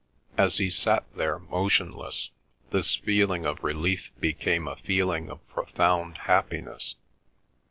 As he sat there, motionless, this feeling of relief became a feeling of profound happiness.